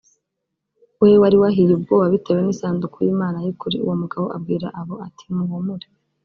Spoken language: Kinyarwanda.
we wari wahiye ubwoba bitewe n isanduku y imana y ukuri uwo mugabo abwira abo ati muhumure